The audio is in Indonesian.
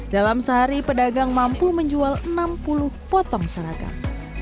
dalam sehari pedagang mampu menjual enam puluh potong seragam